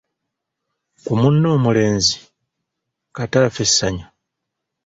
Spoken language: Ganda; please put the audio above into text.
ku munne omulenzi, kata affe essanyu.